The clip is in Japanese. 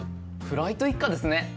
フライト一家ですね！